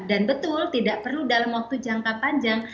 dan betul tidak perlu dalam waktu jangka panjang